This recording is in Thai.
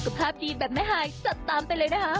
ภาพดีแบบแม่ฮายจัดตามไปเลยนะคะ